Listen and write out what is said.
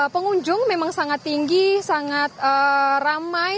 pengunjung memang sangat tinggi sangat ramai